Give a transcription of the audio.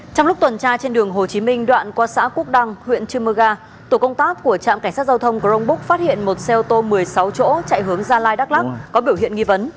trong lúc tuần tra trên đường hồ chí minh đoạn qua xã quốc đăng huyện chư mơ ga tổ công tác của trạm cảnh sát giao thông crong búc phát hiện một xe ô tô một mươi sáu chỗ chạy hướng gia lai đắk lắc có biểu hiện nghi vấn